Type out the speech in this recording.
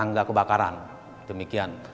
tangga kebakaran demikian